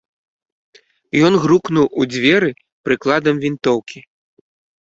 Ён грукнуў у дзверы прыкладам вінтоўкі.